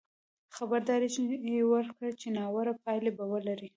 خبرداری یې ورکړ چې ناوړه پایلې به ولري.